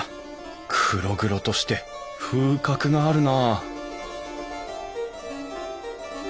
黒々として風格があるなあ